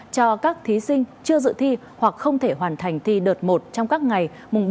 cho các thí sinh chưa dự thi hoặc không thể hoàn thành thi đợt một trong các ngày bảy tám bảy hai nghìn hai mươi một